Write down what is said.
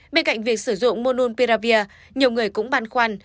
bên cạnh việc sử dụng monopiravir nhiều người cũng băn khoăn